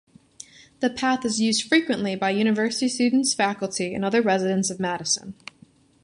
The path is used frequently by university students, faculty, and other residents of Madison.